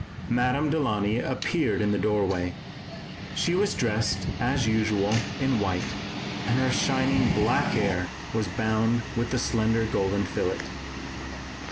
Madame Delaunay appeared in the doorway. She was dressed as usual in white and her shining black hair was bound with the slender gold fillet.